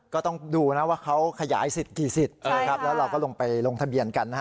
ก็ต้องดูนะว่าเขาขยายสิทธิ์กี่สิทธิ์นะครับแล้วเราก็ลงไปลงทะเบียนกันนะฮะ